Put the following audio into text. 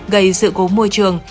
gây sự cố môi trường